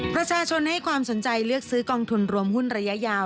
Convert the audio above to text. ประชาชนให้ความสนใจเลือกซื้อกองทุนรวมหุ้นระยะยาว